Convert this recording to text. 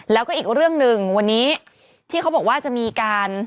แล้วก็อีกเรื่องหนึ่งวันนี้ที่เขาบอกว่าจะมีการ